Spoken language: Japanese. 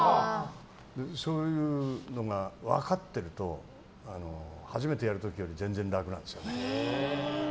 そういうのが分かってると初めてやる時より全然楽なんですよね。